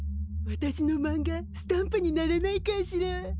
わたしのマンガスタンプにならないかしら。